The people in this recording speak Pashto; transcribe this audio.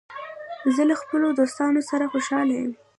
زه له خپلو دوستانو سره خوشحال یم.